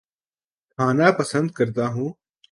کھانا پسند کرتا ہوں